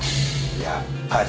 やっぱり。